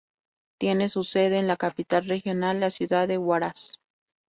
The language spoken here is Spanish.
Tiene su sede en la capital regional, la ciudad de Huaraz.